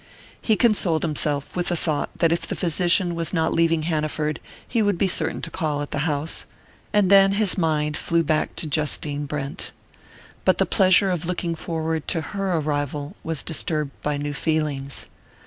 He consoled himself with the thought that if the physician was not leaving Hanaford he would be certain to call at the house; and then his mind flew back to Justine Brent. But the pleasure of looking forward to her arrival was disturbed by new feelings.